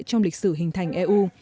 trong lịch sử hình thành eu